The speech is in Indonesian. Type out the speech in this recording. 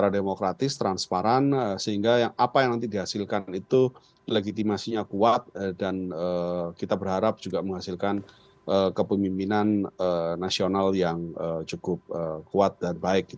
demokratis transparan sehingga apa yang nanti dihasilkan itu legitimasinya kuat dan kita berharap juga menghasilkan kepemimpinan nasional yang cukup kuat dan baik